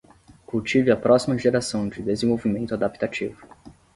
Cultive a próxima geração de desenvolvimento adaptativo